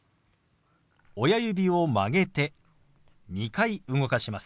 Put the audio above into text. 親指を曲げて２回動かします。